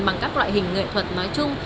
bằng các loại hình nghệ thuật nói chung